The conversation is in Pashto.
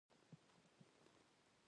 وړاندې ويل شوي